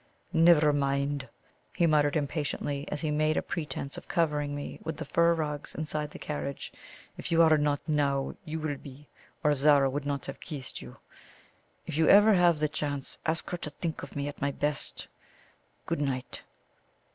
"Never mind," he muttered impatiently, as he made a pretence of covering me with the fur rugs inside the carriage: "if you are not now, you will be, or Zara would not have kissed you. If you ever have the chance ask her to think of me at my best. Good night."